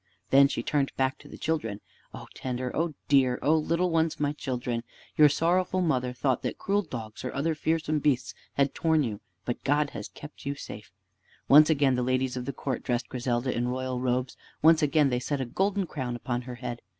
Then she turned back to the children. "Oh tender, oh dear, oh little ones, my children! Your sorrowful mother thought that cruel dogs or other fearsome beasts had torn you! but God has kept you safe." Once again the ladies of the court dressed Griselda in royal robes. Once again they set a golden crown upon her head.